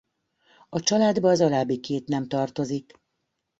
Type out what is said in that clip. A családba az alábbi két nem tartozik